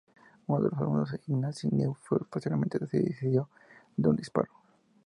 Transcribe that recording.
Uno de los alumnos, Ignacy Neufeld, posteriormente se suicidó de un disparo.